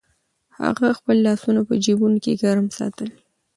هغه خپل لاسونه په جېبونو کې ګرم ساتل.